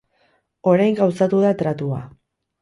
Orain gauzatu da tratua.